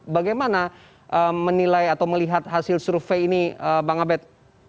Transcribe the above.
bagaimana menilai atau melihat hasil survei ini bang abed